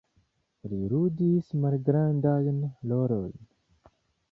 Li ludis malgrandajn rolojn.